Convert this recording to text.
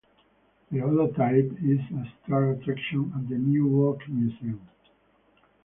The holotype is a star attraction at the New Walk Museum.